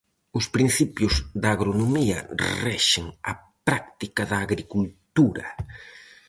Os principios da agronomía rexen a práctica da agricultura.